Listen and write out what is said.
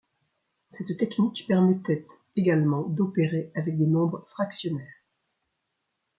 Cette technique permettait également d'opérer avec des nombres fractionnaires.